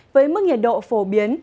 với mức nhiệt độ phổ biến